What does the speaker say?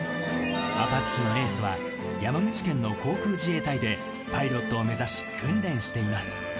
アパッチのエースは、山口県の航空自衛隊でパイロットを目指し訓練しています。